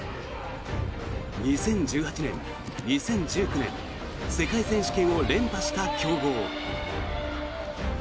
２０１８年、２０１９年世界選手権を連破した強豪。